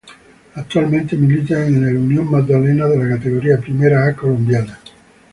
Actualmente milita en el Unión Magdalena de la Categoría Primera A colombiana.